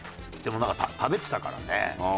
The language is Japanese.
でもなんか食べてたからね。